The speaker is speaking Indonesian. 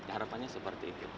harapannya seperti itu